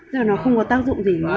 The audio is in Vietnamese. rồi nó không có tác dụng gì nữa